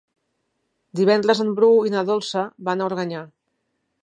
Divendres en Bru i na Dolça van a Organyà.